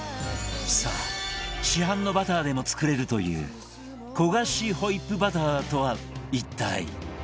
さあ市販のバターでも作れるという焦がしホイップバターとは一体？